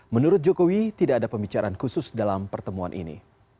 menurut jokowi tidak ada pembicaraan khusus dalam pertemuan ini